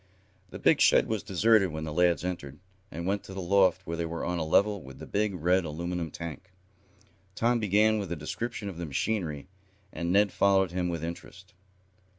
The big shed was deserted when the lads entered, and went to the loft where they were on a level with the big, red aluminum tank. Tom began with a description of the machinery, and Ned followed him with interest.